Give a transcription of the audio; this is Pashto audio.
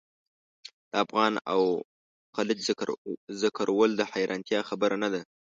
د افغان او خلج ذکرول د حیرانتیا خبره نه ده.